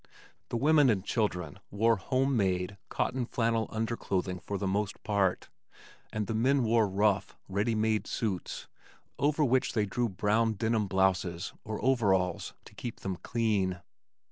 The women and children wore home made "cotton flannel" underclothing for the most part, and the men wore rough, ready made suits over which they drew brown denim blouses or overalls to keep them clean.